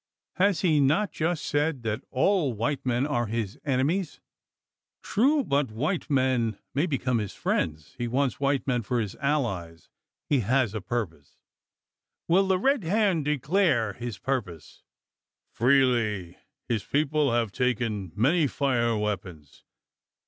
"Has he not just said, that all white men are his enemies?" "True. But white men may become his friends. He wants white men for his allies. He has a purpose." "Will the Red Hand declare his purpose?" "Freely. His people have taken, many fire weapons.